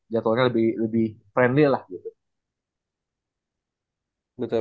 jadwalnya lebih friendly lah